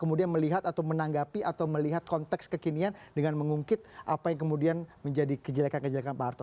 kemudian melihat atau menanggapi atau melihat konteks kekinian dengan mengungkit apa yang kemudian menjadi kejelekan kejelekan pak harto